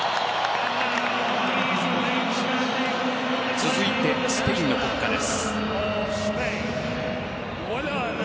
続いてスペインの国歌です。